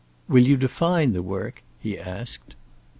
"Will you define the work?" he asked.